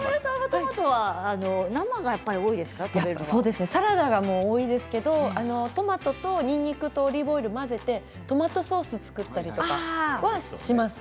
トマトはやっぱりサラダが多いですけどトマトと、にんにくとオリーブオイルを混ぜてトマトソースを作ったりします。